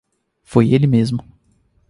Foi ele mesmo